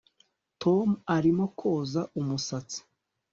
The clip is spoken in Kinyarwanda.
Tom arimo koza umusatsi